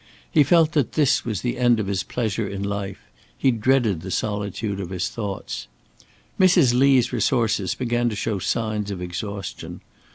He felt that this was the end of his pleasure in life; he dreaded the solitude of his thoughts. Mrs. Lee's resources began to show signs of exhaustion.